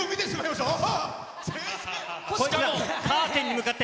カーテンに向かって。